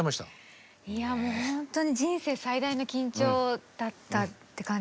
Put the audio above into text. もう本当に人生最大の緊張だったって感じですね。